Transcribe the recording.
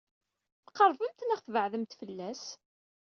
Tqeṛbemt neɣ tbeɛdemt fell-as?